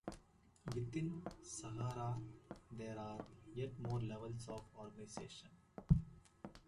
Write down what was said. Within Sahasrara, there are yet more levels of organization.